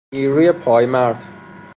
نیروی پایمرد